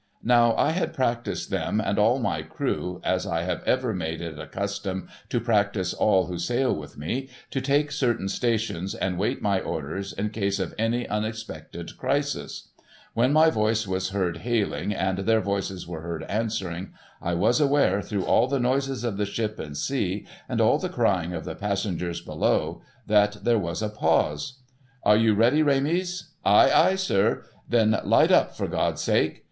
Now, I had practised them and all my crew, as I have ever made it a custom to practise all who sail with me, to take certain stations and wait my orders, in case of any unexpected crisis, ^^'hen my voice was heard hailing, and their voices were heard answering, I was aware, through all the noises of the ship and sea, and all the crying of the passengers below, that there was a pause. ' Are you ready, Rames ?'—' Ay, ay, sir !'—' Then light up, for God's sake